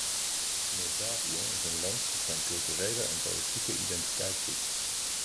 Moldavië is een land dat zijn culturele en politieke identiteit zoekt.